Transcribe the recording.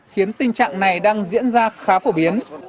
khiến tình trạng này đang diễn ra khá phổ biến